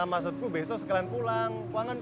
maksudku besok sekalian pulang